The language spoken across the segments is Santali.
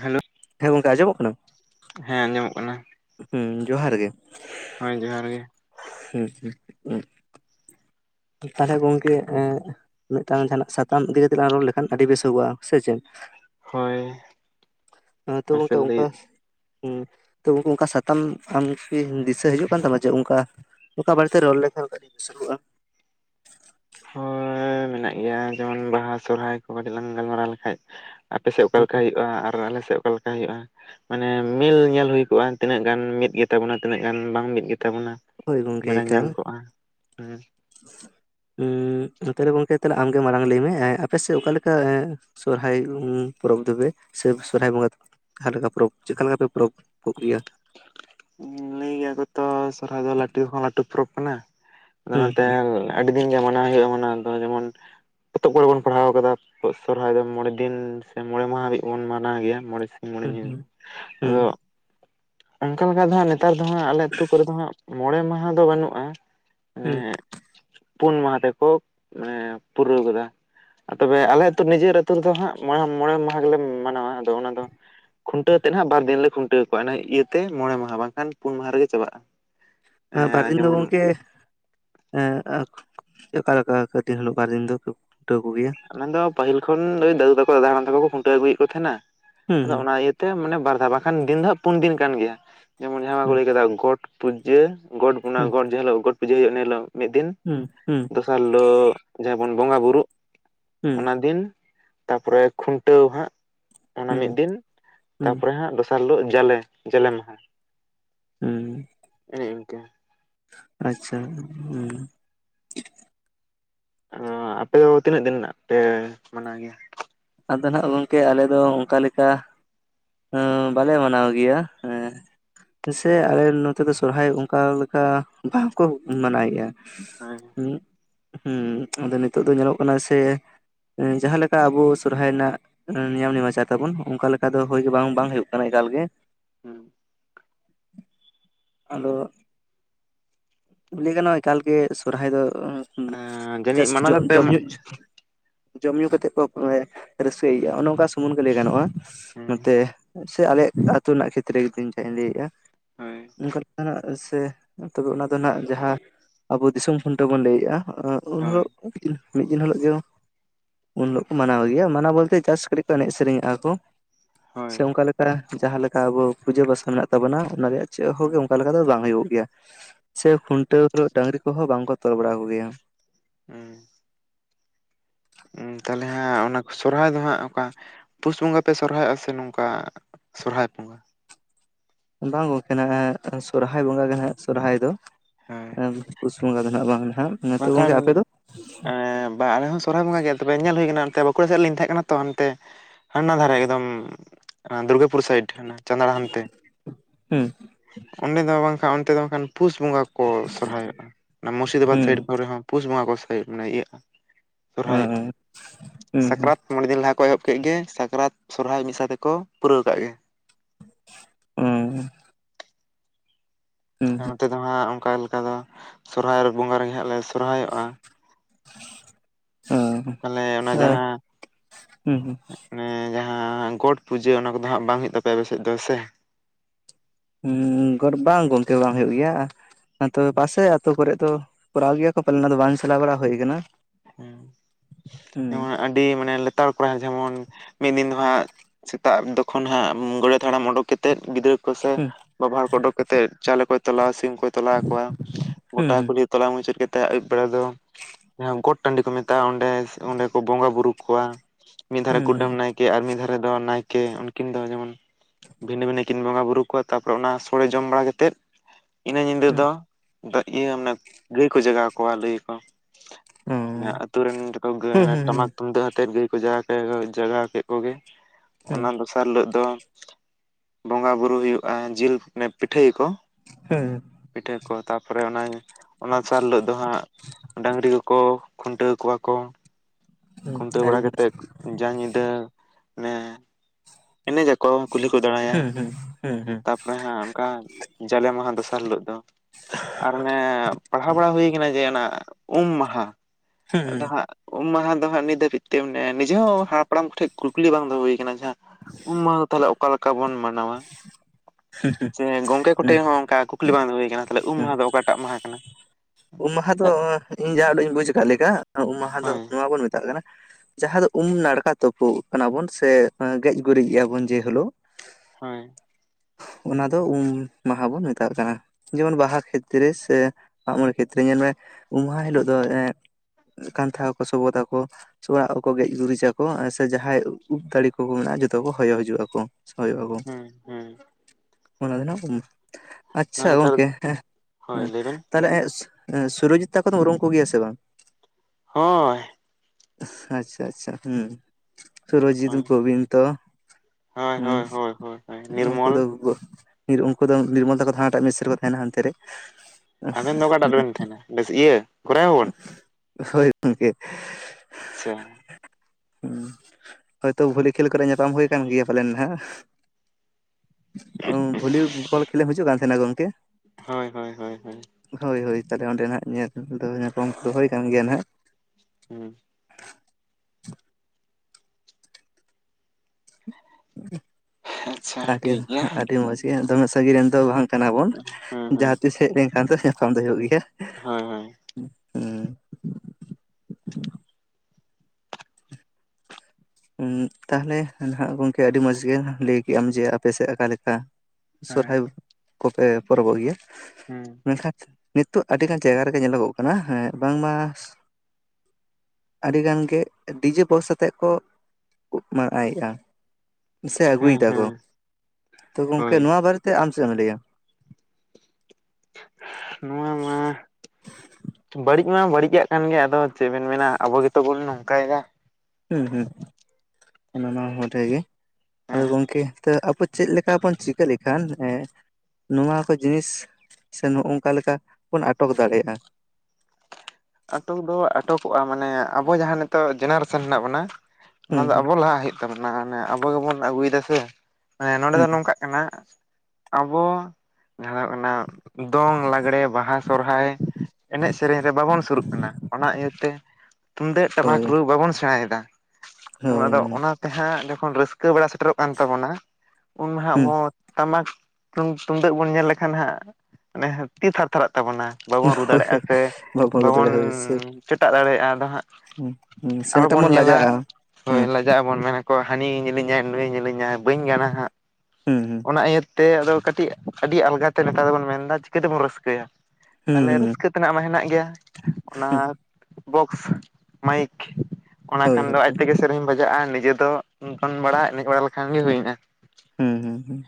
ᱦᱮᱞᱳ ᱦᱮᱸ ᱜᱚᱢᱠᱮ ᱟᱸᱡᱚᱢᱚᱜ ᱠᱟᱱᱟ? ᱦᱮᱸ ᱟᱸᱡᱚᱢᱚᱜ ᱠᱟᱱᱟ ᱾ ᱦᱩᱸ ᱡᱚᱦᱟᱨ ᱜᱮ ᱦᱚᱭ‌ ᱡᱚᱦᱟᱨ ᱜᱮ ᱾ ᱦᱩᱸ ᱦᱩᱸ ᱛᱟᱦᱚᱞᱮ ᱜᱚᱢᱠᱮ ᱮᱸ ᱢᱤᱫᱴᱟᱝ ᱡᱟᱦᱟᱸᱱᱟᱜ ᱥᱟᱛᱟᱢ ᱤᱫᱤ ᱠᱟᱛᱮᱜ ᱞᱟᱝ ᱨᱚᱲ ᱞᱮᱠᱷᱟᱱ ᱟᱹᱰᱤ ᱵᱮᱥᱚᱜᱚᱜᱼᱟ ᱥᱮ ᱪᱮᱫ? ᱦᱳᱭ ᱦᱮᱸ ᱛᱚ ᱢᱟᱥᱮ ᱜᱚᱢᱠᱮ ᱚᱱᱠᱟ ᱞᱟᱹᱭ ᱦᱩᱸ ᱛᱚ ᱜᱚᱢᱠᱮ ᱚᱱᱠᱟ ᱥᱟᱛᱟᱢ ᱟᱢᱠᱤ ᱫᱤᱥᱟᱹ ᱦᱤᱡᱩᱜ ᱠᱟᱱ ᱛᱟᱢᱟ ᱡᱮ ᱚᱱᱠᱟ ᱚᱠᱟ ᱵᱟᱨᱮᱛᱮ ᱨᱚᱲ ᱞᱮᱠᱷᱟᱱ ᱥᱩᱨᱩᱜᱼᱟ ᱦᱳᱭ ᱢᱮᱱᱟᱜ ᱜᱮᱭᱟ ᱡᱮᱢᱚᱱ ᱵᱟᱦᱟ ᱥᱚᱨᱦᱟᱭ ᱠᱚ ᱠᱟᱹᱴᱤᱡ ᱞᱟᱝ ᱜᱟᱞᱢᱟᱨᱟᱣ ᱞᱮᱠᱷᱟᱡ ᱟᱯᱮᱥᱮᱫ ᱚᱠᱟ ᱞᱮᱠᱟ ᱦᱩᱭᱩᱜᱼᱟ ᱟᱨ ᱟᱞᱮ ᱥᱮᱫ ᱚᱠᱟ ᱞᱮᱠᱟ ᱦᱩᱭᱩᱜᱼᱟ ᱾ ᱢᱟᱱᱮ ᱢᱤᱞ ᱧᱮᱞ ᱦᱩᱭ ᱠᱚᱜᱼᱟ ᱛᱤᱱᱟᱹᱜ ᱜᱟᱱ ᱢᱤᱫ ᱜᱮᱛᱟᱵᱚᱱᱟ ᱛᱤᱱᱟᱹᱜ ᱜᱟᱱ ᱵᱟᱝ ᱢᱤᱫ ᱜᱮᱛᱟᱵᱚᱱᱟ ᱦᱳᱭ ᱵᱟᱲᱟᱭ ᱧᱟᱢ ᱠᱚᱜᱼᱟ ᱦᱩᱸ ᱦᱩᱸ [unintelligible] ᱛᱟᱦᱚᱞᱮ ᱜᱚᱝᱠᱮ ᱛᱟᱦᱚᱞᱮ ᱟᱢᱜᱮ ᱢᱟᱨᱟᱝ ᱞᱟᱹᱭ ᱢᱮ ᱟᱯᱮ ᱥᱮᱫ ᱚᱠᱟᱞᱮᱠᱟ? ᱥᱚᱨᱦᱟᱭ ᱯᱚᱨᱚᱵᱽ ᱫᱚᱵᱮ ᱥᱮ ᱥᱚᱨᱦᱟᱭ ᱵᱚᱸᱜᱟ ᱦᱟᱨᱜᱟ ᱯᱚᱨᱚᱵᱽ ᱪᱮᱫᱠᱟ ᱞᱮᱠᱟ ᱯᱮ ᱯᱚᱨᱚᱵᱽ ᱜᱮᱭᱟ? ᱞᱟᱹᱭ ᱜᱮᱭᱟ ᱠᱚ ᱛᱚ ᱥᱚᱨᱦᱟᱭ ᱫᱚ ᱞᱟᱹᱴᱩ ᱦᱚ ᱞᱟᱹᱴᱩ ᱯᱚᱨᱚᱵᱽ ᱠᱟᱱᱟ ᱟᱫᱚ ᱦᱩᱸ ᱱᱚᱛᱮ ᱦᱩᱸ ᱟᱹᱰᱤ ᱫᱤᱱ ᱜᱮ ᱢᱟᱱᱟᱣ ᱦᱩᱭᱩᱜᱼᱟ ᱢᱟᱱᱟᱣ ᱫᱚ ᱡᱮᱢᱚᱱ ᱯᱚᱛᱚᱵ ᱠᱚᱨᱮ ᱵᱚᱱ ᱯᱟᱲᱦᱟᱣ ᱟᱠᱟᱫᱟ ᱥᱚᱨᱦᱟᱭ ᱫᱚ ᱢᱚᱬᱮ ᱫᱤᱱ ᱥᱮ ᱢᱚᱬᱮ ᱢᱟᱦᱟ ᱦᱟᱹᱵᱤᱡ ᱵᱚᱱ ᱢᱟᱱᱟᱣ ᱜᱮᱭᱟ ᱢᱚᱬᱮ ᱢᱚᱬᱮ ᱦᱩᱸ ᱧᱤᱫᱟᱹ ᱦᱩᱸ ᱟᱫᱚ ᱦᱩᱸ ᱚᱱᱠᱟ ᱞᱮᱠᱟ ᱫᱚ ᱦᱟᱸᱜ ᱱᱮᱛᱟᱨ ᱫᱚ ᱦᱟᱸᱜ ᱟᱞᱮ ᱟᱹᱛᱩ ᱠᱚᱨᱮ ᱫᱚ ᱦᱟᱸᱜ ᱢᱚᱬᱮ ᱢᱟᱦᱟ ᱫᱚ ᱵᱟᱹᱱᱩᱜᱼᱟ ᱢᱟᱱᱮ ᱯᱩᱱ ᱢᱟᱦᱟ ᱛᱮᱠᱚ ᱯᱩᱨᱟᱹᱣ ᱠᱟᱫᱟ ᱛᱚᱵᱮ ᱟᱞᱮ ᱟᱹᱛᱩ ᱱᱤᱡᱮᱨ ᱟᱹᱛᱩ ᱨᱮᱫᱚ ᱦᱟᱸᱜ ᱢᱚᱬᱮ ᱢᱚᱬᱮ ᱢᱟᱦᱟ ᱜᱮᱞᱮ ᱢᱟᱱᱟᱣᱟ ᱟᱫᱚ ᱚᱱᱟ ᱫᱚ ᱠᱷᱩᱱᱴᱟᱹᱣ ᱟᱛᱮᱫ ᱦᱟᱸᱜ ᱵᱟᱨ ᱫᱤᱱ ᱞᱮ ᱠᱷᱩᱱᱴᱟᱹᱣ ᱠᱚᱣᱟ ᱤᱭᱟᱹᱛᱮ ᱢᱚᱬᱮ ᱢᱟᱦᱟ ᱵᱟᱝᱠᱷᱟᱱ ᱯᱩᱱ ᱢᱟᱦᱟᱨᱮ ᱪᱟᱵᱟᱜᱼᱟ ᱵᱟᱨ ᱮᱸ ᱫᱤᱱ ᱫᱚ ᱡᱮᱢᱚᱱ ᱜᱚᱢᱠᱮ ᱚᱠᱟᱞᱮᱠᱟ ᱠᱟᱹᱴᱤᱡ ᱦᱟᱜ ᱵᱟᱨ ᱫᱤᱱ ᱫᱚ ᱠᱷᱩᱱᱴᱟᱹᱣ ᱠᱚᱜᱮᱭᱟ ᱾ ᱢᱮᱱᱫᱚ ᱯᱟᱹᱦᱤᱞ ᱠᱷᱚᱱ ᱫᱟᱫᱩ ᱛᱟᱠᱚ ᱫᱟᱫᱟ ᱛᱟᱠᱚ ᱠᱚ ᱠᱷᱩᱱᱴᱟᱹᱣ ᱟᱹᱜᱩᱭᱮᱫ ᱠᱚ ᱛᱟᱦᱮᱸᱱᱟ ᱟᱫᱚ ᱦᱩᱸ ᱚᱱᱟ ᱤᱭᱟᱹᱛ ᱛᱮ ᱢᱟᱱᱮ ᱵᱟᱨ ᱫᱷᱟᱣ ᱵᱟᱝᱠᱷᱟᱱ ᱫᱤᱱ ᱫᱚ ᱦᱟᱸᱜ ᱯᱩᱱ ᱫᱤᱱ ᱠᱟᱱ ᱜᱮᱭᱟ ᱡᱮᱢᱚᱱ ᱡᱟᱦᱟᱸ ᱵᱟ ᱠᱚ ᱦᱩᱸ ᱞᱟᱹᱭ ᱠᱮᱫᱟ ᱜᱚᱴ ᱯᱩᱡᱟᱹ ᱜᱚᱴ ᱚᱱᱟ ᱦᱩᱸ ᱜᱚᱴ ᱡᱟᱦᱟᱸᱤᱞᱚᱜ ᱜᱚᱴ ᱯᱩᱡᱟᱹ ᱦᱩᱭᱩᱜᱼᱟ ᱤᱱ ᱦᱤᱞᱚᱜ ᱢᱤᱫ ᱫᱤᱱ ᱦᱩᱸ ᱦᱩᱸ ᱫᱚᱥᱟᱨ ᱦᱤᱞᱚᱜ ᱡᱟᱦᱟᱸ ᱵᱚᱱ ᱵᱚᱸᱜᱟ ᱵᱩᱨᱩᱜ ᱦᱩᱸ ᱚᱱᱟ ᱫᱤᱱ ᱛᱟᱯᱚᱨᱮ ᱠᱷᱩᱱᱴᱟᱹᱣ ᱦᱟᱸᱜ ᱚᱱᱟ ᱦᱩᱸ ᱦᱩᱸ ᱢᱤᱫ ᱫᱤᱱ ᱦᱩᱸ ᱛᱟᱯᱚᱨᱮ ᱦᱟᱸᱜ ᱫᱚᱥᱟᱨ ᱦᱤᱞᱚᱜ ᱡᱟᱞᱮ ᱡᱟᱞᱮ ᱢᱟᱦᱟ ᱦᱩᱸ ᱮᱱᱮ ᱤᱱᱠᱟᱹ ᱟᱪᱪᱷᱟ ᱦᱩᱸ ᱟᱸ ᱟᱯᱮ ᱫᱚ ᱛᱤᱱᱟᱹᱜ ᱫᱤᱱ ᱨᱮᱱᱟᱜ ᱯᱮ ᱢᱟᱱᱟᱣ ᱜᱮᱭᱟ᱾ ᱟᱫᱚ ᱱᱟᱸᱜ ᱜᱚᱝᱠᱮ ᱟᱞᱮ ᱫᱚ ᱚᱱᱠᱟ ᱞᱮᱠᱟ᱾ ᱦᱩ ᱵᱟᱞᱮ ᱢᱟᱱᱟᱣ ᱜᱮᱭᱟ ᱦᱮᱸ ᱥᱮ ᱟᱞᱮ ᱱᱚᱛᱮ ᱫᱚ ᱥᱚᱨᱦᱟᱭ ᱚᱱᱠᱟ ᱞᱮᱠᱟ ᱵᱟᱝ ᱠᱚ ᱢᱟᱱᱟᱣ ᱜᱮᱭᱟ᱾ [unintelligible] ᱦᱳᱭ ᱦᱩᱸ ᱟᱫᱚ ᱱᱤᱛᱚᱜ ᱫᱚ ᱧᱮᱞᱚᱜ ᱠᱟᱱᱟ ᱥᱮ ᱡᱟᱦᱟᱸᱮᱠᱟ ᱟᱵᱚ ᱥᱚᱨᱦᱟᱭ ᱨᱮᱱᱟᱜ ᱱᱤᱭᱚᱢ ᱱᱮᱢᱟᱪᱟᱨ ᱛᱟᱵᱚᱱ ᱚᱱᱠᱟ ᱞᱮᱠᱟ ᱫᱚ ᱦᱳᱭ ᱜᱮ ᱵᱟᱝ ᱦᱳᱭ ᱠᱟᱱᱟ ᱮᱠᱟᱞ ᱜᱮ ᱦᱩᱸ ᱟᱫᱚ ᱞᱟᱹᱭ ᱜᱟᱱᱚᱼᱟ ᱮᱠᱟᱞ ᱜᱮ ᱥᱚᱨᱦᱟᱭ ᱫᱚ ᱦᱩ ᱦᱩᱸ ᱡᱟᱹᱱᱤᱡ ᱢᱟᱱᱟᱣ ᱫᱚᱯᱮ ᱦᱮᱸ [unintelligible] ᱡᱚᱢ ᱧᱩ ᱠᱟᱛᱮᱫ ᱠᱚ ᱨᱟᱹᱥᱠᱟᱹᱭ ᱜᱮᱭᱟ ᱚᱱᱮ ᱚᱱᱠᱟ ᱥᱩᱢᱩᱱ ᱜᱮ ᱞᱟᱹᱭ ᱜᱟᱱᱚᱜᱼᱟ ᱱᱚᱛᱮ ᱥᱮ ᱟᱞᱮ ᱟᱹᱛᱩ ᱨᱮᱱᱟᱜ ᱠᱷᱮᱛᱨᱮ [unintelligible] ᱞᱟᱹᱭᱮᱜᱼᱟ᱾ ᱦᱳᱭ ᱚᱱᱠᱟ ᱞᱮᱠᱟᱱᱟᱜ ᱥᱮ ᱛᱚᱵᱮ ᱚᱱᱟ ᱫᱚ ᱱᱟᱸᱜ ᱡᱟᱦᱟᱸ ᱟᱵᱚ ᱫᱤᱥᱚᱢ ᱠᱷᱩᱱᱴᱟᱹᱣ ᱵᱚᱱ ᱞᱟᱹᱭᱮᱜᱼᱟ᱾ ᱩᱱ ᱦᱳᱭ ᱦᱤᱞᱳᱜ ᱢᱤᱫ ᱫᱤᱱ ᱦᱤᱞᱳᱜ ᱜᱮ᱾ ᱩᱱ ᱦᱚᱞᱚᱜ ᱠᱚ ᱢᱟᱱᱟᱣ ᱜᱮᱭᱟ ᱢᱟᱱᱟᱣ ᱵᱚᱞᱛᱮ ᱡᱟᱥᱴ ᱠᱟᱴᱤᱡᱽ ᱠᱚ ᱮᱱᱮᱡᱽ ᱥᱮᱨᱮᱧᱟᱜ ᱠᱚ᱾ ᱥᱮ ᱦᱳᱭ ᱚᱱᱠᱟ ᱞᱮᱠᱟ ᱡᱟᱦᱟᱸ ᱞᱮᱠᱟ ᱟᱵᱚ ᱯᱩᱡᱟᱹ ᱵᱟᱥᱟ ᱢᱮᱱᱟᱜ ᱛᱟᱵᱚᱱᱟ ᱚᱱᱟ ᱨᱮᱭᱟᱜ ᱪᱮᱫ ᱦᱚᱸ ᱚᱱᱠᱟ ᱞᱮᱠᱟ ᱫᱚ ᱵᱟᱝ ᱦᱩᱭᱩᱜ ᱜᱮᱭᱟ᱾ ᱥᱮ ᱠᱷᱩᱱᱴᱟᱹᱣ [unintelligible] ᱰᱟᱹᱝᱨᱤ ᱠᱚᱦᱚᱸ ᱵᱟᱝᱠᱚ ᱛᱚᱞ ᱵᱟᱲᱟ ᱠᱚᱜᱮᱭᱟᱴ ᱦᱩᱸ ᱛᱟᱦᱚᱞᱮ ᱦᱟᱸᱜ ᱚᱱᱟ ᱥᱚᱨᱦᱟᱭ ᱫᱚ ᱦᱟᱸᱜ ᱚᱠᱟ ᱯᱩᱥ ᱵᱚᱸᱜᱟ ᱯᱮ ᱥᱚᱨᱚᱦᱟᱭᱚᱜᱼᱟ ᱥᱮ ᱱᱚᱝᱠᱟ ᱥᱚᱨᱦᱟᱭ ᱵᱚᱸᱜᱟ ᱵᱟᱝ ᱜᱚᱝᱠᱮ ᱱᱟᱜᱼᱟᱭ ᱥᱚᱨᱦᱟᱭ ᱵᱚᱸᱜᱟ ᱜᱮ ᱦᱟᱸᱜ ᱥᱚᱨᱦᱟᱭ ᱫᱚ ᱦᱳᱭ ᱵᱚᱸᱜᱟ ᱫᱚᱦᱟᱜ ᱵᱟᱝ ᱱᱟᱸᱜ ᱵᱟᱝᱠᱷᱟᱱ ᱮᱸᱵᱟᱝ ᱟᱞᱮ ᱦᱚᱸ ᱥᱚᱨᱦᱟᱭ ᱵᱚᱸᱜᱟ ᱜᱮᱭ ᱛᱚᱵᱮ ᱧᱮᱞ ᱦᱩᱭ ᱠᱟᱱᱟ ᱵᱟᱸᱠᱩᱲᱟ ᱥᱮᱫ ᱞᱤᱧ ᱛᱟᱦᱮᱸ ᱠᱟᱱᱟ ᱛᱚ ᱚᱱᱛᱮ ᱦᱟᱱᱟ ᱫᱷᱟᱨᱮ ᱮᱠᱫᱚᱢ ᱫᱩᱨᱜᱟᱹᱯᱩᱨ ᱥᱟᱭᱤᱰ ᱪᱟᱸᱫᱲᱟ ᱦᱟᱱᱛᱮ ᱦᱩᱸ ᱚᱸᱰᱮ ᱫᱚ ᱵᱟᱝᱠᱷᱟᱱ ᱚᱱᱛᱮ ᱫᱚ ᱵᱟᱝᱠᱷᱟᱱ ᱯᱩᱥ ᱵᱚᱸᱜᱟ ᱠᱚ ᱥᱚᱨᱦᱟᱭᱚᱜᱼᱟ ᱢᱩᱨᱥᱤᱫᱟᱵᱟᱫᱽ ᱦᱩᱸ ᱥᱟᱭᱤᱰ ᱯᱩᱥ ᱵᱚᱸᱜᱟ ᱠᱚ ᱤᱭᱟᱹᱜ ᱦᱩᱸ ᱥᱚᱨᱚᱦᱟᱭᱚᱜᱼᱟ ᱦᱩᱸ ᱦᱩᱸ ᱥᱟᱠᱨᱟᱛ ᱢᱚᱬᱮ ᱫᱤᱱ ᱞᱟᱦᱟ ᱠᱚ ᱮᱦᱚᱵᱽ ᱠᱮᱫ ᱜᱮ ᱥᱟᱠᱨᱟᱛ ᱥᱚᱨᱦᱟᱭ ᱢᱤᱫ ᱥᱟᱶ ᱛᱮᱠᱚ ᱯᱩᱨᱟᱹᱣ ᱠᱟᱜ ᱜᱮ᱾ ᱦᱩᱸ ᱱᱚᱛᱮ ᱫᱚ ᱦᱟᱸᱜ ᱚᱱᱠᱟ ᱞᱮᱠᱟ ᱫᱚ ᱥᱚᱨᱚᱦᱟᱭ ᱵᱚᱸᱜᱟ ᱨᱮᱜᱮ ᱦᱟᱸᱜ ᱞᱮ ᱥᱚᱨᱚᱦᱟᱭᱚᱜᱼᱟ᱾ ᱚ ᱛᱟᱦᱚᱞᱮ ᱚᱱᱟ ᱦᱳᱭ ᱦᱩᱸ ᱮ ᱡᱟᱦᱟᱸ ᱜᱚᱴ ᱯᱩᱡᱟᱹ ᱚᱱᱟ ᱠᱚᱫᱚ ᱦᱟᱸᱜ ᱵᱟᱝ ᱦᱩᱭᱩᱜ ᱛᱟᱯᱮᱭᱟ ᱟᱯᱮᱥᱮᱫ ᱫᱚ ᱦᱮᱸᱥᱮ ᱩᱸ ᱜᱳᱴ ᱵᱟᱝ ᱜᱚᱝᱠᱮ ᱵᱟᱝ ᱦᱩᱭᱩᱜ ᱜᱮᱭᱟ ᱱᱚᱛᱮ ᱯᱟᱥᱮ ᱟᱹᱛᱩ ᱠᱚᱨᱮ ᱫᱚ ᱠᱚᱨᱟᱣ ᱜᱮᱭᱟ ᱠᱚ ᱯᱟᱞᱮᱱ ᱵᱟᱝ ᱪᱟᱞᱟᱣ ᱵᱟᱲᱟ ᱦᱩᱭ ‌ᱠᱟᱱᱟ᱾ ᱮ ᱟᱹᱰᱤ ᱢᱟᱱᱮ ᱞᱮᱛᱟᱲ ᱠᱚᱲᱟ ᱡᱮᱢᱚᱱ ᱢᱤᱫ ᱫᱤᱱ ᱫᱚ ᱦᱟᱸᱜ ᱥᱮᱛᱟᱜ ᱡᱚᱠᱷᱚᱱ ᱦᱟᱸᱜ ᱜᱚᱰᱮᱛ ᱦᱟᱲᱟᱢ ᱩᱰᱚᱠ ᱠᱟᱛᱮᱫ ᱜᱤᱫᱽᱨᱟᱹ ᱠᱚᱥᱮ ᱦᱩᱸ ᱵᱟᱵᱟ ᱦᱚᱲ ᱠᱚ ᱚᱰᱚᱠ ᱠᱟᱛᱮᱫ ᱪᱟᱣᱞᱮ ᱠᱚᱭ ᱛᱚᱞᱟᱣᱟ ᱥᱤᱢ ᱠᱚᱭ ᱛᱚᱞᱟᱣ ᱠᱚᱣᱟ ᱦᱩᱸ ᱜᱚᱴᱟ ᱦᱩᱸ ᱠᱚᱞᱦᱤ ᱛᱚᱞᱟ ᱢᱩᱪᱟᱹᱫ ᱠᱟᱛᱮᱫ ᱟᱹᱭᱩᱵ ᱵᱮᱲᱟ ᱫᱚ ᱡᱟᱦᱟᱸ ᱜᱚᱴ ᱴᱟᱺᱰᱤ ᱠᱚ ᱢᱮᱱᱟᱜᱼᱟ ᱚᱱ ᱚᱸᱰᱮ ᱚᱸᱰᱮ ᱠᱚ ᱵᱚᱸᱜᱟ ᱵᱩᱨᱩ ᱠᱚᱣᱟ ᱢᱤᱫ ᱫᱷᱟᱨᱮ ᱦᱩᱸ ᱦᱩᱸ ᱠᱩᱰᱟᱹᱢ ᱱᱟᱭᱠᱮ ᱟᱨ ᱢᱤᱫ ᱫᱷᱟᱨᱮ ᱫᱚ ᱱᱟᱭᱠᱮ ᱩᱱᱠᱤᱱ ᱫᱚ ᱡᱮᱢᱚᱱ ᱵᱷᱤᱱᱟᱹ ᱵᱷᱤᱱᱟᱹ ᱠᱤᱱ ᱵᱚᱸᱜᱟ ᱵᱩᱨᱩ ᱠᱚᱣᱟ ᱛᱟᱯᱚᱨᱮ ᱚᱱᱟ ᱥᱳᱲᱮ ᱡᱚᱢ ᱵᱟᱲᱟ ᱠᱟᱛᱮᱫ ᱤᱱᱟᱹ ᱧᱤᱫᱟᱹ ᱦᱩᱸ ᱫᱚ ᱤᱭᱟᱹ ᱢᱟᱱᱮ ᱜᱟᱹᱭ ᱠᱚ ᱡᱟᱜᱟᱣ ᱠᱚᱣᱟ ᱞᱟᱹᱭ ᱟᱠᱚ ᱦᱩᱸ ᱟᱹᱛᱩ ᱨᱮᱱ ᱜᱟᱹᱭ ᱦᱩᱸ ᱦᱩᱸ ᱴᱟᱢᱟᱠ ᱛᱩᱢᱫᱟᱹᱜ ᱟᱛᱮᱫ ᱜᱟᱹᱭ ᱠᱚ ᱡᱟᱜ ᱠᱮᱫ ᱡᱟᱜᱟᱣ ᱠᱮᱫ ᱠᱚᱜᱮ ᱦᱩᱸ ᱚᱱᱟ ᱫᱚᱥᱟᱨ ᱦᱤᱞᱳᱜ ᱫᱚ ᱵᱚᱸᱜᱟᱼᱵᱩᱨᱩ ᱦᱩᱭᱩᱜᱼᱟ ᱡᱤᱞ ᱯᱤᱴᱷᱟᱹᱭᱟᱠᱚ ᱦᱮᱭ ᱯᱤᱴᱷᱟᱹ ᱠᱚ ᱛᱟᱯᱚᱨᱮ ᱚᱱᱟ ᱚᱱᱟ ᱫᱚᱥᱟᱨ ᱦᱤᱞᱳᱜ ᱫᱚ ᱦᱟᱸᱜ ᱰᱟᱹᱝᱨᱤ ᱠᱚᱠᱚ ᱠᱷᱩᱱᱴᱟᱹᱣ ᱠᱚᱣᱟ ᱠᱚ ᱦᱩᱸ ᱠᱷᱩᱱᱴᱟᱹᱣ ᱟᱹᱰᱤ ᱵᱟᱲᱟ ᱢᱚᱡᱽ ᱠᱟᱛᱮ ᱡᱟ ᱧᱤᱫᱟᱹ ᱢᱟᱱᱮ ᱮᱱᱮᱡ ᱟᱠᱚ, ᱠᱩᱞᱦᱤ ᱠᱚ ᱫᱟᱬᱟᱭᱟ, ᱦᱩᱸ ᱦᱩᱸ ᱦᱩᱸ ᱦᱩᱸ ᱛᱟᱯᱚᱨᱮ ᱦᱟᱸᱜ ᱚᱱᱠᱟ ᱡᱟᱞᱮ ᱢᱟᱦᱟ ᱫᱚᱥᱟᱨ ᱦᱤᱞᱳᱜ ᱫᱚ ᱟᱨ ᱚᱱᱮ ᱯᱟᱲᱦᱟᱣ ᱵᱟᱲᱟ ᱦᱩᱭ ᱠᱟᱱᱟ ᱡᱮ ᱚᱱᱟ ᱩᱢ ᱢᱟᱦᱟ, ᱦᱩᱸ ᱟᱫᱚ ᱦᱟᱸᱜ ᱩᱢ ᱢᱟᱦᱟ ᱫᱚ ᱦᱟᱸᱜ ᱱᱤᱛ ᱫᱷᱟᱹᱵᱤᱡ ᱛᱮ ᱚᱱᱮ ᱱᱤᱡᱮ ᱦᱚᱸ ᱦᱟᱯᱲᱟᱢ ᱠᱚᱴᱷᱮᱱ ᱠᱩᱠᱞᱤ ᱵᱟᱝ ᱫᱚᱦᱚ ᱦᱩᱭ ᱠᱟᱱᱟ, ᱡᱟᱦᱟᱸ ᱩᱢ ᱢᱟᱦᱟ ᱛᱟᱦᱚᱞᱮ ᱚᱠᱟ ᱞᱮᱠᱟ ᱵᱚᱱ ᱢᱟᱱᱟᱣᱟ? ᱥᱮ ᱜᱚᱝᱠᱮ ᱠᱚᱴᱷᱮᱡ ᱦᱚᱸ ᱚᱱᱠᱟ ᱠᱩ ᱠᱩᱞᱤ ᱵᱟᱝ ᱦᱩᱭ ᱠᱟᱱᱟ᱾ ᱛᱟᱦᱚᱞᱮ ᱩᱢ ᱩᱸ, ᱢᱟᱦᱟ ᱫᱚ ᱚᱠᱟᱴᱟᱜ ᱢᱟᱦᱟ ᱩᱢ ᱢᱟᱦᱟ ᱫᱚ ᱤᱧ ᱡᱟᱦᱟᱸ ᱩᱰᱩ ᱤᱧ ᱵᱩᱡᱽ ᱟᱠᱟᱜ ᱞᱮᱠᱟ᱾ ᱩᱢ ᱢᱟᱦᱟ ᱫᱚ ᱦᱳᱭ ᱱᱚᱣᱟ ᱵᱚᱱ ᱢᱮᱛᱟᱜ ᱠᱟᱱᱟ᱾ ᱡᱟᱦᱟᱸ ᱫᱚ ᱩᱢ ᱱᱟᱲᱠᱟ ᱛᱳᱯᱳᱜ ᱠᱟᱱᱟ ᱵᱚᱱ ᱥᱮ ᱮᱸ ᱜᱮᱡ ᱜᱩᱨᱤᱡ ᱮᱼᱟ ᱵᱚᱱ ᱡᱮ ᱦᱟᱹᱞᱳᱜ᱾ ᱦᱳᱭ᱾ ᱚᱱᱟ ᱫᱚ ᱩᱢ ᱢᱟᱦᱟ ᱵᱚᱱ ᱢᱮᱛᱟᱜ ᱠᱟᱱᱟ᱾ ᱡᱮᱢᱚᱱ ᱵᱟᱦᱟ ᱠᱷᱮᱛᱛᱨᱮ ᱥᱮ, ᱢᱟᱜ ᱢᱚᱬᱮ ᱠᱷᱮᱛᱛᱨᱮ ᱧᱮᱞ ᱢᱮ ᱩᱢ ᱢᱟᱦᱟ ᱦᱤᱞᱳᱜ ᱫᱚ ᱮᱸᱜ ᱠᱟᱱᱛᱷᱟ ᱠᱚ ᱥᱚᱵᱚᱛᱟ ᱠᱚ᱾ ᱥᱚ ᱚᱣᱟᱜ ᱠᱚᱠᱚ ᱜᱮᱡ ᱜᱩᱨᱤᱡᱟᱠᱚ ᱥᱮ ᱡᱟᱦᱟᱸᱭ ᱩᱵ ᱫᱟᱲᱤ ᱠᱚᱠᱚ ᱢᱮᱱᱟᱜᱼᱟ ᱡᱚᱛᱚ ᱠᱚ ᱦᱚᱭᱚ ᱦᱤᱡᱩᱜᱼᱟ ᱠᱚ᱾ ᱦᱚᱭᱚᱜ ᱟᱠᱚ ᱦᱩᱸ ᱦᱩᱸ ᱚᱱᱟ ᱫᱚ ᱦᱩᱭᱱᱟ ᱩᱢ, ᱟᱫᱚ ᱟᱪᱪᱷᱟ ᱜᱚᱝ ᱱᱮᱛᱟᱨ ᱠᱮ ᱦᱮᱸ ᱦᱳᱭ ᱩᱸ ᱞᱟᱹᱭ ᱵᱮᱱ ᱛᱟᱦᱚᱞᱮ ᱮᱸ ᱥᱩ-ᱥᱩᱨᱚᱡᱤᱛ ᱛᱟᱠᱚ ᱫᱚᱢ ᱩᱨᱩᱢ ᱠᱚᱜᱮᱭᱟ ᱥᱮ ᱵᱟᱝ? ᱦᱳᱭ ᱟᱪᱪᱷᱟ ᱟᱪᱪᱷᱟ ᱦᱩᱸ ᱥᱩᱨᱚᱡᱤᱛ ᱦᱳᱭ ᱯᱨᱵᱤᱱ ᱛᱚ᱾ ᱦᱩᱸ ᱦᱳᱭ ᱦᱳᱭ ᱦᱳᱭ ᱦᱳᱭ ᱩᱱᱠᱩ ᱱᱤᱨᱢᱚᱞ ᱫᱚ ᱜᱚ-ᱱᱤᱨ ᱩᱱᱠᱩ ᱫᱚ ᱱᱤᱨᱢᱚᱞ ᱛᱟᱠᱚ ᱫᱚ ᱦᱟᱱᱟᱴᱟᱜ ᱢᱮᱥ ᱨᱮᱠᱚ ᱛᱟᱦᱮᱱᱟ ᱦᱟᱱᱛᱮ ᱨᱮ᱾ ᱟᱵᱮᱱ ᱫᱚ ᱚᱠᱟᱴᱟᱜ ᱨᱮᱵᱮᱱ ᱛᱟᱦᱮᱱᱟ ᱵᱮᱥ ᱤᱭᱟᱹ ᱜᱚᱨᱟᱭ ᱦᱚᱸᱵᱚᱱ᱾ ᱦᱳᱭ ᱜᱚᱢᱠᱮ᱾ [unintelligible] ᱦᱩᱸ᱾ ᱦᱳᱭᱛᱳ ᱵᱷᱚᱞᱤ ᱠᱷᱮᱞ ᱠᱚᱨᱮ ᱧᱟᱯᱟᱢ ᱦᱩᱭ ᱠᱟᱱ ᱜᱮᱭᱟ ᱯᱟᱞᱮᱱ ᱦᱟᱸᱜ᱾ ᱩᱸ ᱵᱷᱚᱞᱤ ᱵᱚᱞ ᱠᱷᱮᱞᱮᱢ ᱦᱤᱡᱩᱜ ᱠᱟᱱ ᱛᱟᱦᱮᱱᱟ ᱜᱚᱝᱠᱮ? ᱦᱳᱭ ᱦᱳᱭ ᱦᱳᱭ ᱦᱳᱭ᱾ ᱦᱳᱭ ᱦᱳᱭ ᱛᱟᱦᱚᱞᱮ ᱚᱸᱰᱮ ᱱᱟᱦᱟᱜ ᱧᱮᱞ ᱫᱚ ᱧᱟᱯᱟᱢ ᱠᱚ ᱦᱳᱭ ᱠᱟᱱ ᱜᱮᱭᱟ ᱱᱟᱦᱟᱜ᱾ ᱦᱩᱸ᱾ ᱟᱪᱪᱷᱟ [inaudible] ᱟᱹᱰᱤ ᱴᱷᱤᱠ ᱜᱮᱭᱟ ᱦᱟᱸᱜ ᱟᱹᱰᱤ ᱢᱚᱡᱽ᱾ ᱮᱸᱜ ᱫᱚᱢᱮ ᱥᱟᱺᱜᱤᱧ ᱨᱮᱱ ᱫᱚ ᱵᱷᱟᱝ ᱠᱟᱱᱟ ᱵᱚᱱ, ᱦᱩᱸ ᱦᱩᱸ ᱡᱟᱦᱟᱸ ᱛᱤᱥ ᱦᱮᱡ ᱞᱮᱱᱠᱷᱟᱱ ᱯᱮ ᱧᱟᱯᱟᱢ ᱫᱚ ᱦᱩᱭᱩᱜ ᱜᱮᱭᱟ᱾ ᱦᱳᱸᱭ ᱦᱳᱸᱭ᱾ ᱦᱩᱸ᱾ ᱩᱸᱜ ᱛᱟᱦᱚᱞᱮ ᱱᱟᱦᱟᱜ ᱜᱚᱝᱠᱮ ᱟᱹᱰᱤ ᱢᱚᱸᱡᱽ ᱜᱮ ᱞᱟᱹᱭ ᱠᱮᱜ ᱟᱢ, ᱡᱮ ᱟᱯᱮ ᱥᱮᱜ ᱟᱠᱟᱞᱮᱠᱟ? ᱦᱮᱸ ᱥᱚᱨᱦᱟᱭ ᱠᱚᱯᱮ ᱯᱚᱨᱚᱵᱚᱜ ᱜᱮᱭᱟ? ᱦᱮᱸ᱾ ᱢᱮᱱᱠᱷᱟᱱ ᱱᱤᱛᱚᱜ ᱟᱹᱰᱤᱜᱟᱱ ᱡᱟᱭᱜᱟ ᱨᱮᱜᱮ ᱧᱮᱞᱚᱜᱚᱜ ᱠᱟᱱᱟ, ᱦᱮᱸ ᱵᱟᱝᱢᱟ ᱟᱹᱰᱤ ᱜᱟᱱ ᱜᱮ ᱰᱤᱡᱮ ᱵᱚᱠᱥ ᱟᱛᱮᱜ ᱠᱚ [unintelligible] ᱟᱭ ᱮᱼᱟ ᱥᱮ ᱟᱹᱜᱩᱭ ᱦᱮᱸ ᱫᱟᱠᱚ ᱦᱮᱸ ᱛᱚ ᱜᱚᱝᱠᱮ ᱦᱳᱭ ᱱᱚᱣᱟ ᱵᱟᱨᱮ ᱛᱮ ᱟᱢ ᱪᱮᱜ ᱮᱢ ᱞᱟᱹᱭᱟ᱾ ᱱᱚᱣᱟ ᱢᱟ ᱵᱟᱹᱲᱤᱡ ᱢᱟ ᱵᱟᱹᱲᱤᱡᱟᱜ ᱠᱟᱱ ᱜᱮ ᱟᱫᱚ ᱪᱮᱜ ᱵᱮᱱ ᱢᱮᱱᱟ ᱟᱵᱚ ᱜᱮᱛᱚ ᱵᱚᱱ ᱱᱚᱝᱠᱟᱭ ᱫᱟ᱾ ᱦᱩᱸ ᱦᱩᱸ ᱚᱱᱟ ᱢᱟ ᱵᱚᱴᱷᱮ ᱜᱮ ᱟᱫᱚ ᱦᱮᱸ ᱜᱚᱝᱠᱮ ᱛᱚ ᱟᱯᱮ ᱪᱮᱜ ᱞᱮᱠᱟ ᱵᱚᱱ ᱪᱤᱠᱟᱹ ᱞᱮᱠᱷᱟᱱ ᱮᱸ ᱱᱚᱣᱟ ᱠᱚ ᱡᱤᱱᱤᱥ ᱥᱮ ᱱᱚᱼᱚᱝᱠᱟ ᱞᱮᱠᱟ ᱵᱚᱱ ᱟᱴᱚᱠ ᱫᱟᱲᱮᱭᱟᱜᱼᱟ᱾ ᱟᱴᱚᱠ ᱫᱚ ᱟᱴᱚᱠᱚᱼᱟ ᱢᱟᱱᱮ ᱟᱵᱚ ᱡᱟᱦᱟᱸ ᱱᱤᱛᱚᱜ ᱡᱮᱱᱟᱨᱮᱥᱮᱱ ᱦᱮᱱᱟᱜ ᱵᱚᱱᱟ ᱚᱱᱟ ᱦᱩᱸ ᱫᱚ ᱦᱩᱸ ᱟᱵᱚ ᱞᱟᱦᱟᱜ ᱦᱩᱭᱩᱜ ᱛᱟᱵᱚᱱᱟ ᱚᱱᱮ ᱟᱵᱚ ᱜᱮᱵᱚᱱ ᱟᱹᱜᱩᱭᱫᱟ ᱥᱮ ᱮᱸ ᱱᱚᱸᱰᱮ ᱦᱩᱸ ᱫᱚ ᱱᱚᱝᱠᱟᱜ ᱠᱟᱱᱟ ᱟᱵᱚ ᱡᱟᱦᱟᱸ ᱚᱱᱟ ᱫᱚᱝ, ᱞᱟᱜᱽᱲᱮ, ᱵᱟᱦᱟ, ᱥᱚᱨᱦᱟᱭ ᱮᱱᱮᱡ ᱥᱮᱨᱮᱧ ᱨᱮ ᱵᱟ ᱥᱩᱨᱩᱜ ᱠᱟᱱᱟ ᱚᱱᱟ ᱤᱭᱟᱹ ᱛᱮ ᱛᱩᱝᱫᱟᱹᱜ ᱴᱟᱢᱟᱠ ᱦᱳᱭ ᱨᱩ ᱵᱟᱵᱚᱱ ᱥᱮᱬᱟᱭ ᱫᱟ᱾ ᱛᱚ ᱦᱳᱭ ᱟᱫᱚ ᱦᱳᱭ ᱚᱱᱟ ᱛᱮ ᱦᱟᱸᱜ ᱡᱚᱠᱷᱚᱱ ᱨᱟᱹᱥᱠᱟᱹ ᱵᱟᱲᱟ ᱥᱚ ᱤᱮᱴᱮᱨᱚᱜ ᱠᱟᱱ ᱛᱟᱵᱚᱱᱟ ᱩᱱ ᱦᱟᱸᱜ ᱦᱩᱸ ᱵᱚᱱ ᱴᱟᱢᱟᱠ ᱛᱩᱢ ᱛᱩᱢᱫᱟᱹᱜ ᱵᱚᱱ ᱧᱮᱞ ᱞᱮᱠᱷᱟᱱ ᱦᱟᱸᱜ ᱱᱮ ᱛᱤ ᱛᱷᱟᱨ ᱛᱷᱟᱨᱟᱜ ᱛᱟᱵᱚᱱᱟ ᱵᱟᱵᱚᱱ ᱨᱩ ᱦᱳᱭ ᱫᱟᱲᱮᱭᱟᱜᱼᱟ ᱦᱳᱭ ᱥᱮ ᱵᱟᱵᱚᱱ ᱪᱮᱴᱟᱜ ᱫᱟᱲᱮᱭᱟᱜᱼᱟ ᱟᱫᱚ ᱦᱟᱸᱜ ᱦᱩᱸ ᱦᱩᱸ ᱥᱮ ᱢᱮᱫᱴᱟᱝ ᱵᱚᱱ ᱞᱟᱡᱟᱜᱼᱟ ᱦᱩᱸ ᱡᱟᱜ ᱟᱵᱚᱱ ᱢᱮᱱᱟᱠᱚ ᱦᱟᱹᱱᱤ ᱧᱮᱞᱤᱧᱟᱭ ᱱᱩᱭᱮ ᱧᱮᱞᱧᱟᱭ ᱵᱟᱹᱧ ᱜᱟᱱᱟ ᱦᱟᱸᱜ ᱦᱩᱸ ᱦᱩᱸ ᱚᱱᱟ ᱤᱭᱟᱹᱛᱮ ᱟᱫᱚ ᱠᱟᱹᱴᱤᱡ ᱟᱹᱰᱤ ᱟᱞᱜᱟᱛᱮ ᱱᱮᱛᱟᱨ ᱫᱚᱵᱚᱱ ᱢᱮᱱᱫᱟ ᱪᱤᱠᱟᱹ ᱛᱮᱵᱚᱱ ᱨᱟᱹᱥᱠᱟᱹᱭᱟ ᱛᱟᱦᱚᱞᱮ ᱦᱩᱸ ᱨᱟᱹᱥᱠᱟᱹ ᱛᱮᱱᱟᱜ ᱢᱟ ᱦᱮᱱᱟᱜ ᱜᱮᱭᱟ ᱦᱩᱸ ᱚᱱᱟ ᱵᱚᱠᱥ ᱢᱟᱭᱤᱠ ᱚᱱᱟ ᱦᱳᱭ ᱠᱷᱟᱱ ᱫᱚ ᱦᱳᱭ ᱟᱡ ᱛᱮᱜᱮ ᱥᱮᱨᱮᱧ ᱵᱟᱡᱟᱜᱼᱟ ᱱᱤᱡᱮ ᱫᱚ ᱫᱚᱱ ᱵᱟᱲᱟ ᱮᱱᱮᱡ ᱵᱟᱲᱟ ᱞᱮᱠᱷᱟᱱ ᱜᱮ ᱦᱩᱭᱱᱟ ᱦᱩᱸ ᱦᱩᱸ ᱦᱩᱸ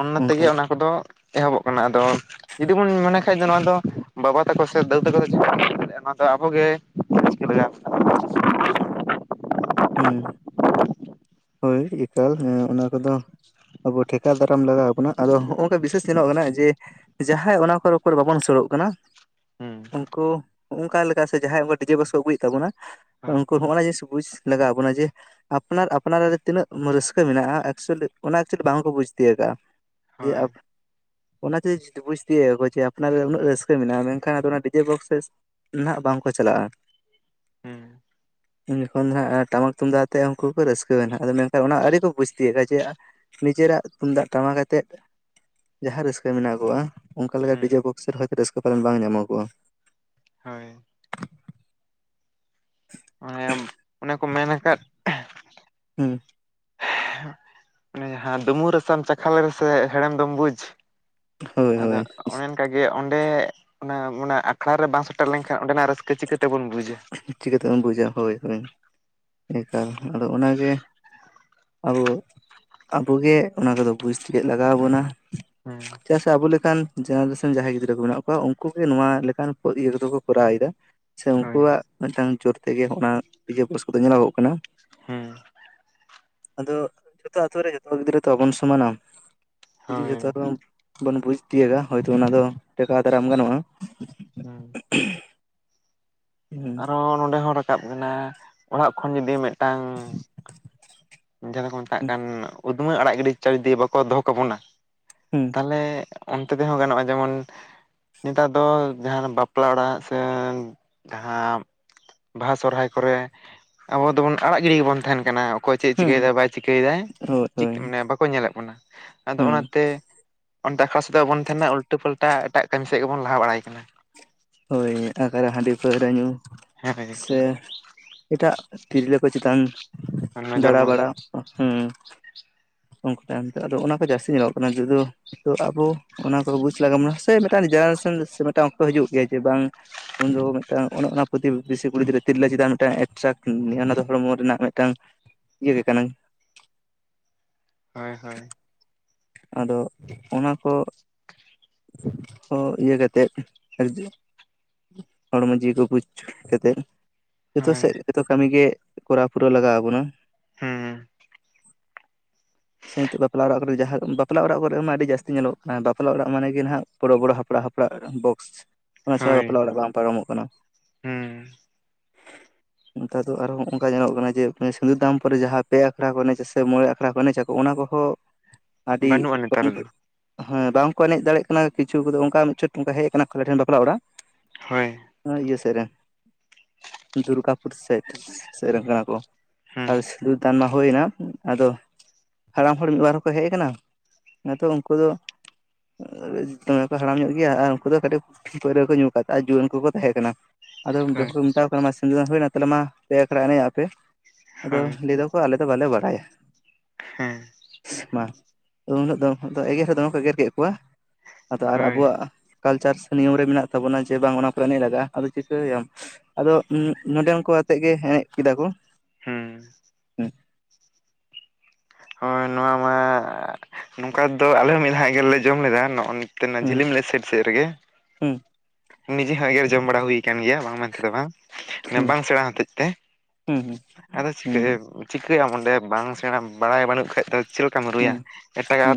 ᱚᱱᱱᱟ ᱚᱱᱠᱟ ᱛᱮᱜᱮ ᱜᱮ ᱚᱱᱟ ᱠᱚᱫᱚ ᱮᱦᱚᱵᱚᱜ ᱠᱟᱱᱟ ᱟᱫᱚ ᱡᱩᱫᱤ ᱵᱚᱱ ᱢᱚᱱᱮ ᱠᱷᱟᱡ ᱫᱚ ᱱᱚᱣᱟ ᱫᱚ ᱵᱟᱵᱟ ᱛᱟᱠᱚ ᱥᱮ ᱫᱟᱫᱩ ᱛᱟᱠᱚ ᱫᱚ ᱱᱚᱭᱟ ᱫᱚ ᱟᱵᱚᱜᱮ [inaudible] ᱞᱟᱜᱟᱣ ᱵᱟᱱᱟᱼᱼ ᱦᱩᱸ ᱦᱳᱭ ᱮᱠᱟᱞ ᱚᱱᱟ ᱠᱚᱫᱚ ᱟᱵᱚ ᱴᱷᱮᱠᱟᱣ ᱫᱟᱨᱟᱢ ᱞᱟᱜᱟᱣ ᱵᱚᱱᱟ ᱟᱫᱚ ᱦᱚᱜᱼᱚᱝᱠᱟ ᱵᱤᱥᱮᱥ ᱛᱮᱱᱚᱜ ᱠᱟᱱᱟ ᱡᱮ ᱡᱟᱦᱟᱸᱭ ᱚᱱᱟᱠᱚ ᱨᱩᱯᱚᱨ ᱵᱟᱵᱚᱱ ᱥᱳᱨᱳᱜ ᱠᱟᱱᱟ ᱦᱩᱸ ᱩᱱᱠᱩ ᱚᱱᱠᱟ ᱞᱮᱠᱟ ᱥᱮ ᱡᱟᱦᱟᱸᱭ ᱟᱵᱚ ᱰᱤᱡᱮ ᱵᱚᱠᱥ ᱠᱚ ᱟᱹᱜᱩᱭᱮᱫ ᱛᱟᱵᱚᱱᱟ ᱦᱳᱭ ᱩᱱᱠᱩ ᱦᱚᱸᱜᱼᱱᱟ ᱡᱤᱱᱤᱥ ᱵᱩᱡᱽ ᱞᱟᱜᱟᱣ ᱵᱚᱱᱟ ᱡᱮ ᱟᱯᱱᱟᱨ ᱟᱯ ᱯᱱᱟᱨᱟᱜ ᱨᱮ ᱛᱤᱱᱟᱹᱜ ᱨᱟᱹᱥᱠᱟᱹ ᱢᱮᱱᱟᱜᱼᱟ ᱮᱠᱪᱩᱮᱞᱤ ᱚᱱᱟ ᱪᱮᱫ ᱵᱟᱝᱠᱚ ᱵᱩᱡᱽ ᱛᱤᱭᱟᱹᱜᱼᱟ ᱡᱮ ᱦᱳᱭ ᱟᱯ ᱚᱱᱟᱡᱮ ᱡᱩᱫᱤ ᱵᱩᱡᱽ ᱛᱤᱭᱟᱹᱜᱟ ᱠᱚ ᱡᱮ ᱟᱯᱱᱟᱨᱟᱜ ᱩᱱᱟᱹᱜ ᱨᱟᱹᱥᱠᱟᱹ ᱢᱮᱱᱟᱜᱼᱟ ᱢᱮᱱᱠᱷᱟᱱ ᱟᱫᱚ ᱚᱱᱟ ᱰᱤᱡᱮ ᱵᱚᱠᱥ ᱥᱮ ᱱᱟᱦᱟᱜ ᱵᱟᱝᱠᱚ ᱪᱟᱞᱟᱜᱼᱟ ᱦᱩᱸ ᱩᱱ ᱡᱚᱠᱷᱚᱱ ᱫᱚ ᱦᱟᱸᱜ ᱴᱟᱢᱟᱠ ᱛᱩᱢᱫᱟᱜ ᱟᱛᱮ ᱩᱱᱠᱩ ᱠᱚ ᱨᱟᱹᱥ [inaudible] ᱟᱫᱚ ᱢᱮᱱᱠᱷᱟᱱ ᱚᱱᱟ ᱟᱹᱰᱤᱨᱤ ᱠᱚ ᱵᱩᱡᱽᱛᱤᱭᱮᱫᱼᱟ, ᱡᱮ ᱱᱤᱡᱮᱨᱟᱜ ᱛᱩᱢᱫᱟᱜ ᱴᱟᱢᱟ ᱟᱛᱮᱫ ᱡᱟᱦᱟᱸ ᱨᱟᱹᱥᱠᱟᱹ ᱢᱮᱱᱟᱜ ᱠᱚᱣᱟ ᱚᱱᱠᱟ ᱞᱮᱠᱟ ᱦᱩᱸ ᱰᱤᱡᱮ ᱵᱚᱠᱥ ᱨᱮ ᱦᱚᱭᱛᱳ ᱨᱟᱹᱥᱠᱟᱹ ᱯᱟᱞᱮᱱ ᱵᱟᱝ ᱧᱟᱢᱚᱜᱚᱜᱼᱟ ᱾ ᱦᱳᱭ ᱚᱱᱮ ᱚᱱᱮ ᱠᱚ ᱢᱮᱱ ᱟᱠᱟᱫ ᱦᱩᱸ ᱚᱱᱮ ᱡᱟᱦᱟᱸ ᱫᱩᱢᱩᱨ ᱨᱟᱥᱟᱢ ᱪᱟᱠᱷᱟ ᱞᱮ ᱨᱮᱥ ᱦᱮᱲᱮᱢ ᱫᱚᱢ ᱵᱩᱡᱽ ᱦᱳᱭ ᱟᱫᱚ ᱦᱳᱭ ᱚᱱ ᱚᱱᱠᱟᱜ ᱜᱮ ᱚᱸᱰᱮ ᱚᱱᱟ ᱚᱱᱟ ᱟᱠᱷᱲᱟ ᱨᱮ ᱵᱟᱝ ᱥᱮᱴᱮᱨ ᱞᱮᱱᱠᱷᱟᱱ ᱚᱸᱰᱮᱱᱟᱜ ᱨᱟᱹᱥᱠᱟᱹ ᱪᱤᱠᱟᱹ ᱛᱮᱵᱚᱱ ᱵᱩᱡᱟ? ᱪᱤᱠᱟᱹᱛᱮᱵᱚᱱ ᱵᱩᱡᱟ ᱦᱳᱭ ᱦᱳᱭ ᱮᱠᱟᱞ ᱟᱫᱚ ᱚᱱᱟᱜᱮ ᱟᱵᱚ ᱟᱵᱚᱜᱮ ᱚᱱᱟ ᱠᱚᱫᱚ ᱵᱩᱡᱽ ᱛᱮᱤᱠ ᱞᱟᱜᱟᱣ ᱵᱚᱱᱟ ᱦᱮᱸ [unintelligible] ᱟᱵᱚ ᱞᱮᱠᱟᱱ ᱡᱮᱱᱟᱨᱮᱥᱚᱱ ᱡᱟᱦᱟᱸᱭ ᱜᱤᱫᱽᱨᱟᱹ ᱠᱚ ᱢᱮᱱᱟᱜ ᱠᱚᱣᱟ ᱩᱱᱠᱩᱩᱜ ᱜᱮ ᱱᱚᱣᱟ ᱞᱮᱠᱟᱱ ᱤᱭᱟᱹ ᱠᱚᱫᱚ ᱠᱚᱨᱟᱣᱮᱫᱟ ᱾ ᱥᱮ ᱦᱳᱭ ᱩᱱᱠᱩᱣᱟᱜ ᱢᱤᱫᱴᱟᱝ ᱡᱳᱨ ᱛᱮᱜᱮ ᱚᱱᱟ ᱯᱚᱨᱥ ᱠᱚᱫᱚ ᱧᱮᱞᱚᱜᱚᱜ ᱠᱟᱱᱟ ᱾ ᱦᱩᱸ ᱟᱫᱚ ᱡᱚᱛᱚ ᱟᱛᱳ ᱨᱮ ᱡᱚᱛᱚ ᱜᱤᱫᱽᱨᱟᱹ ᱛᱚ ᱵᱟᱵᱚᱱ ᱥᱚᱢᱟᱱᱟ ᱡᱩᱫᱤ ᱦᱳᱭ ᱡᱚᱛᱚ ᱵᱚᱱ ᱵᱩᱡ ᱛᱤᱭᱳᱜᱟ ᱦᱚᱭᱛᱳ ᱚᱱᱟ ᱫᱚ ᱴᱮᱠᱟᱣ ᱫᱟᱨᱟᱢ ᱜᱟᱱᱚᱜᱼᱟ ᱾ ᱦᱮᱸ [unintelligible] ᱟᱨᱚ ᱱᱚᱰᱮ ᱦᱚᱸ ᱨᱟᱠᱟᱵ ᱚᱲᱟᱜ ᱠᱷᱚᱱ ᱡᱩᱫᱤ ᱢᱤᱫᱴᱟᱝ ᱡᱟᱦᱟᱸ ᱫᱚᱠᱚ ᱢᱮᱛᱟᱜ ᱠᱟᱱ ᱩᱫᱽᱢᱟᱹ ᱟᱲᱟᱜ ᱜᱤᱰᱤ ᱤᱫᱤ ᱵᱟᱠᱚ ᱫᱚᱦᱚ ᱠᱟᱵᱚᱱᱟ ᱦᱩᱸ ᱛᱟᱦᱚᱞᱮ ᱚᱱᱛᱮ ᱛᱮᱦᱚᱸ ᱜᱟᱱᱚᱜᱼᱟ ᱡᱮᱢᱚᱱ ᱱᱮᱛᱟᱨ ᱫᱚ ᱡᱟᱦᱟᱸ ᱵᱟᱯᱞᱟ ᱚᱲᱟᱜ ᱥᱮ ᱡᱟᱦᱟᱸ ᱵᱟᱦᱟ ᱥᱚᱨᱦᱟᱭ ᱠᱚᱨᱮ ᱟᱵᱚ ᱫᱚᱵᱚᱱ ᱟᱲᱟᱜ ᱜᱤᱰᱤ ᱜᱮᱵᱚᱱ ᱛᱟᱦᱮᱱ ᱠᱟᱱᱟ ᱾ ᱪᱮᱫ ᱮ ᱦᱩᱸ ᱪᱤᱠᱟᱹᱭᱮᱫᱟᱭ ᱵᱟᱭ ᱪᱤᱠᱟᱹᱭᱮᱫᱟᱭ ᱦᱳᱭ ᱦᱳᱭ ᱢᱟᱱᱮ ᱵᱟᱠᱚ ᱧᱮᱞᱮᱫ ᱠᱟᱱᱟ ᱟᱫᱚ ᱦᱩᱸ ᱚᱱᱟᱛᱮ ᱚᱸᱛᱮ ᱟᱠᱷᱲᱟ ᱥᱮᱫᱟᱜ ᱟᱵᱚᱱ ᱛᱟᱦᱮᱱᱟ ᱩᱞᱴᱟᱹ ᱯᱟᱞᱴᱟ ᱮᱴᱟᱜ ᱠᱟᱹᱢᱤ ᱥᱮᱫ ᱜᱮᱵᱚᱱ ᱞᱟᱦᱟ ᱵᱟᱲᱟᱭ ᱠᱟᱱᱟ ᱾ ᱦᱳᱭ ᱟᱜᱟᱨ ᱦᱟᱺᱰᱤ ᱯᱟᱹᱣᱨᱟᱹ ᱧᱩ ᱦᱮᱸ ᱥᱮ ᱮᱴᱟᱜ ᱛᱤᱨᱞᱟᱹ ᱠᱚ ᱪᱮᱛᱟᱱ ᱱᱚᱡᱚᱨ ᱫᱟᱬᱟ ᱢᱚᱱ ᱵᱟᱲᱟ ᱾ ᱦᱩ ᱚᱱᱠᱩ ᱛᱟᱭᱚᱢ ᱛᱮ ᱟᱫᱚ ᱚᱱᱟ ᱠᱚ ᱡᱟᱹᱥᱛᱤ ᱧᱮᱞᱚᱜ ᱠᱟᱱᱟ ᱱᱤᱛᱳᱜᱼᱫᱚ ᱛᱚ ᱟᱵᱚ ᱚᱱᱟ ᱠᱚ ᱵᱩᱡᱽ ᱞᱟᱜᱟᱣ ᱵᱚᱱᱟ ᱥᱮ ᱢᱮᱴᱟᱱ ᱡᱮᱱᱟᱨᱮᱥᱚᱱ ᱥᱮ ᱢᱤᱫᱴᱟᱝ ᱚᱠᱛᱚ ᱦᱤᱡᱩᱜ ᱜᱮᱭᱟ ᱡᱮ ᱵᱟᱝ ᱩᱱᱫᱚ ᱢᱤᱫᱴᱟᱝ ᱚᱱᱮ ᱚᱱᱟ ᱯᱨᱚᱛᱤ ᱵᱮᱥᱤ ᱠᱩᱲᱤ ᱜᱤᱫᱽᱨᱟᱹ ᱛᱤᱨᱞᱟᱹ ᱪᱮᱫᱟᱱ ᱢᱤᱫᱴᱟᱝ ᱮᱴᱨᱟᱠᱴ ᱚᱱᱟ ᱫᱚ ᱦᱚᱲᱢᱚ ᱨᱮᱱᱟᱜ ᱢᱤᱫᱴᱟᱝ ᱤᱭᱟᱹ ᱜᱮ [unintelligible] ᱠᱟᱹᱱᱟᱹᱧ ᱦᱳᱭ, ᱦᱳᱭ ᱾ ᱟᱫᱚ, ᱚᱱᱟ ᱠᱚ ᱦᱚᱸ ᱤᱭᱟᱹ ᱠᱟᱛᱮᱫ ᱟᱨᱡᱤ ᱦᱚᱲᱢᱚ ᱡᱤᱣᱤ ᱠᱚ ᱵᱩᱡ ᱠᱟᱛᱮᱫ, ᱡᱚᱛᱚ ᱦᱳᱭ ᱥᱮᱫ, ᱡᱚᱛᱚ ᱠᱟᱹᱢᱤᱜᱮ ᱠᱚᱨᱟᱣ ᱯᱩᱨᱟᱹᱣ ᱞᱟᱜᱟᱣ ᱟᱵᱚᱱᱟ ᱾ ᱦᱩᱸ ᱥᱮ, ᱱᱤᱛᱚᱜ ᱵᱟᱯᱞᱟ ᱚᱲᱟᱜ ᱠᱚᱨᱮ ᱡᱟᱦᱟᱸ, ᱵᱟᱯᱞᱟ ᱚᱲᱟᱜ ᱠᱚᱨᱮ ᱢᱟ ᱟᱹᱰᱤ ᱡᱟᱹᱥᱛᱤ ᱧᱮᱞᱚᱜ ᱠᱟᱱᱟ, ᱵᱟᱯᱞᱟ ᱚᱲᱟᱜ ᱢᱟᱱᱮ ᱱᱟᱦᱟᱜ, ᱵᱚᱲᱚ ᱵᱚᱲᱚ ᱦᱟᱯᱲᱟᱜ ᱦᱟᱯᱲᱟᱜ ᱵᱚᱠᱥ ᱚᱱᱟ ᱪᱷᱟᱰ ᱵᱟᱯᱞᱟ ᱚᱲᱟᱜ ᱵᱟᱝ ᱯᱟᱨᱚᱢᱚᱜ ᱠᱟᱱᱟ ᱾ ᱦᱟᱸᱼ [unintelligible] [inaudible] ᱱᱮᱛᱟᱨ ᱫᱚ, ᱟᱨᱦᱚᱸ ᱚᱱᱠᱟ ᱧᱮᱞᱚᱜ ᱠᱟᱱᱟ, ᱡᱮ ᱥᱤᱸᱫᱩᱨ ᱫᱟᱢ ᱯᱨᱮ ᱡᱟᱦᱟᱸ ᱯᱮ ᱟᱠᱷᱲᱟ ᱠᱚ ᱮᱱᱮᱡ, ᱥᱮ ᱢᱚᱬᱮ ᱟᱠᱷᱲᱟ ᱠᱚ ᱮᱱᱮᱡ ᱟᱠᱚ, ᱚᱱᱟ ᱠᱚᱦᱚᱸ ᱟᱹᱰᱤ ᱵᱟᱹᱱᱩᱜᱼᱟ ᱱᱮᱛᱟᱨ ᱠᱚᱢ, ᱫᱚ ᱦᱮᱸ ᱵᱟᱝᱠᱚ ᱮᱱᱮᱡ ᱫᱟᱲᱮᱭᱟᱜ ᱠᱟᱱᱟ ᱾ ᱠᱤᱪᱷᱩ ᱠᱚᱫᱚ ᱚᱱᱠᱟ ᱢᱤᱫᱪᱷᱚᱴ ᱱᱚᱱᱠᱟ ᱦᱮᱡ ᱟᱠᱟᱱᱟ ᱾ ᱟᱞ ᱴᱷᱮᱱ ᱵᱟᱯᱞᱟ ᱚᱲᱟᱜ ᱦᱳᱭ ᱾ ᱤᱭᱟᱹ ᱥᱮᱫ ᱨᱮᱱ, ᱫᱩᱨᱜᱟᱯᱩᱨ ᱥᱟᱭᱤᱰ ᱥᱮᱫ ᱨᱮᱱ ᱠᱟᱱᱟ ᱠᱚ ᱾ ᱦᱩᱸ ᱟᱫᱚ, ᱥᱤᱸᱫᱩᱨ ᱫᱟᱱ ᱢᱟ ᱦᱩᱭ ᱮᱱᱟ, ᱟᱫᱚ ᱦᱟᱲᱟᱢ ᱦᱚᱲ ᱢᱤᱫᱵᱟᱨ ᱦᱚᱸᱠᱚ ᱦᱮᱡ ᱟᱠᱟᱱᱟ ᱾ ᱱᱤᱛᱚᱜ ᱩᱱᱠᱩ ᱫᱚ ᱫᱚᱢᱮ ᱠᱚ ᱦᱟᱲᱟᱢ ᱧᱚᱜ ᱜᱮᱭᱟ ᱾ ᱟᱨ ᱩᱱᱠᱩ ᱫᱚ ᱠᱟᱹᱴᱤᱡ, ᱯᱟᱹᱣᱨᱟᱹ ᱠᱚ ᱧᱩ ᱠᱟᱫᱟ, ᱟᱨ ᱡᱩᱣᱟᱹᱱ ᱠᱚᱠᱚ ᱛᱟᱦᱮᱸ ᱠᱟᱱᱟ ᱾ ᱟᱫᱚ, ᱦᱳᱭ ᱡᱚᱠᱷᱚᱱ ᱠᱚ ᱢᱮᱛᱟᱣ ᱠᱚ ᱠᱟᱱᱟ᱾ ᱥᱤᱸᱫᱩᱨ ᱫᱟᱱ ᱦᱩᱭᱮᱱᱟ, ᱛᱟᱦᱚᱞᱮ ᱢᱟ ᱯᱮ ᱟᱠᱷᱲᱟ ᱮᱱᱮᱡ ᱟᱯᱮ, ᱟᱫᱚ ᱦᱳᱭ ᱞᱟᱹᱭᱮᱫᱟᱼᱼ ᱟᱞᱮ ᱫᱚ ᱵᱟᱞᱮ ᱵᱟᱲᱟᱭᱟ ᱾ ᱦᱮᱸ ᱾ ᱮᱼᱥᱮᱟ, ᱢᱟ ᱩᱱᱟᱹᱜ ᱫᱚ ᱮᱜᱮᱨ ᱦᱚ ᱫᱚᱢᱮ ᱠᱚ ᱮᱜᱮᱨ ᱠᱮᱫ ᱠᱚᱣᱟ ᱾ ᱟᱫᱚ, ᱟᱨ ᱦᱳᱭ ᱟᱵᱚᱣᱟᱜ ᱠᱟᱞᱪᱟᱨ ᱥᱮ ᱱᱤᱭᱚᱢ ᱨᱮ ᱢᱮᱱᱟᱜ ᱛᱟᱵᱚᱱᱟ, ᱡᱮ ᱵᱟᱝ ᱚᱱᱟ ᱠᱚᱨᱮ ᱮᱱᱮᱡ ᱞᱟᱜᱟᱜᱼᱟ ᱾ ᱟᱫᱚ ᱪᱤᱠᱟᱹᱭᱟᱢ? ᱟᱫᱚ, ᱱᱚᱰᱮᱱ ᱠᱚ ᱟᱛᱮᱜ ᱜᱮ ᱮᱱᱮᱡ ᱠᱮᱫᱟ ᱠᱚ ᱾ ᱦᱮᱸ ᱾ ᱦᱳᱭ, ᱱᱚᱣᱟ ᱢᱟ, ᱱᱚᱝᱠᱟ ᱫᱚ ᱟᱞᱮ ᱦᱚᱸ ᱢᱤᱫ ᱫᱷᱟᱣ ᱜᱮᱞᱮ ᱡᱚᱢ ᱞᱮᱫᱟ ᱾ ᱱᱚᱜᱼᱚᱭ ᱛᱮᱱᱟ ᱦᱩᱸ ᱡᱷᱤᱞᱤᱢᱞᱮᱫ [unintelligible] ᱥᱮᱴ ᱥᱮᱫ ᱨᱮᱜᱮ [unintelligible] ᱦᱩᱸ ᱱᱤᱡᱮ ᱦᱚᱸ, ᱮᱜᱮᱨ ᱡᱚᱢ ᱵᱟᱲᱟ ᱦᱩᱭ ᱠᱟᱱ ᱜᱮᱭᱟ ᱾ ᱵᱟᱝ ᱢᱮᱱᱛᱮ ᱫᱚ ᱵᱟᱝ ᱦᱩᱸ ᱵᱟᱝ ᱥᱮᱬᱟ ᱦᱚᱛᱮᱡ ᱛᱮ, ᱦᱩᱸ ᱦᱩᱸ ᱟᱫᱚ ᱦᱩᱸ ᱪᱤᱠᱟᱹᱭ ᱪᱤᱠᱟᱹᱭᱟᱢ ᱚᱸᱰᱮ, ᱵᱟᱝ ᱥᱮᱬᱟ ᱵᱟᱲᱟᱭ ᱵᱟᱹᱱᱩᱜ ᱠᱷᱟᱡ ᱫᱚ, ᱪᱮᱫ ᱞᱮᱠᱟᱢ ᱨᱩᱭᱟ ᱦᱩᱸ ᱮᱴᱟᱜᱟᱜ?